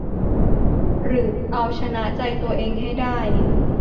หรือเอาชนะใจตัวเองให้ได้